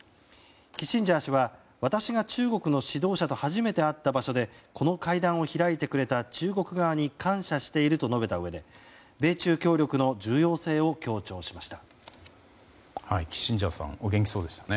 キッシンジャー氏は私が中国の指導者と初めて会った場所でこの会談を開いてくれた中国側に感謝していると述べたうえで米中協力の重要性を強調しました。